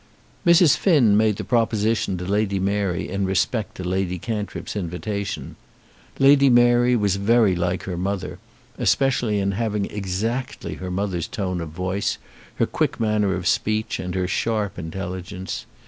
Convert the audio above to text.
Mrs. Finn made the proposition to Lady Mary in respect to Lady Cantrip's invitation. Lady Mary was very like her mother, especially in having exactly her mother's tone of voice, her quick manner of speech, and her sharp intelligence.